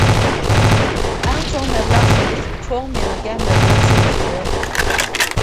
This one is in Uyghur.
ئەڭ چوڭ مەبلەغ سېلىش-چوڭ مېڭىگە مەبلەغ سېلىشتۇر.